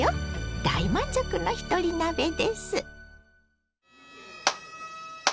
大満足のひとり鍋です。